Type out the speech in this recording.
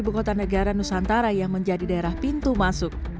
bukota negara nusantara yang menjadi daerah pintu masuk